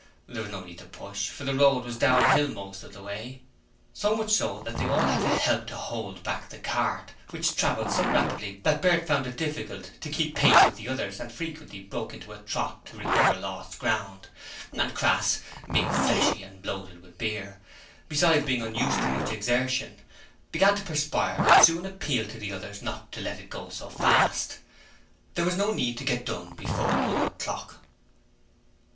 There was no need to push, for the road was downhill most of the way; so much so that they had all to help to hold back the cart, which travelled so rapidly that Bert found it difficult to keep pace with the others and frequently broke into a trot to recover lost ground, and Crass being fleshy and bloated with beer, besides being unused to much exertion began to perspire and soon appealed to the others not to let it go so fast there was no need to get done before one o'clock.